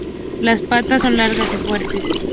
Las patas son largas y fuertes.